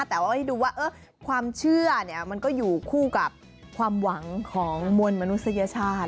แต่ว่าให้ดูว่าความเชื่อมันก็อยู่คู่กับความหวังของมวลมนุษยชาติ